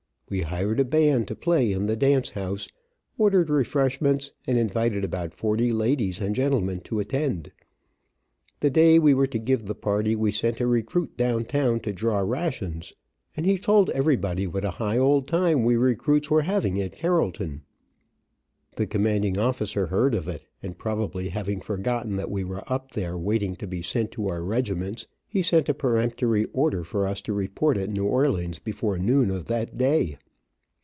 We hired a band to play in the dance house, ordered refreshments, and invited about forty ladies and gentlemen to attend. The day we were to give the party we sent a recruit down town to draw rations, and he told everybody what a high old time we recruits were having at Carrollton. The commanding officer heard of it, and, probably having forgotten that we were up there waiting to be sent to our regiments he sent a peremptory order for us to report at New Orleans before noon of that day.